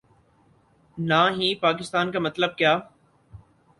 نا ہی پاکستان کا مطلب کیا